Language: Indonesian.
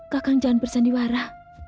kakang jangan bersandiwara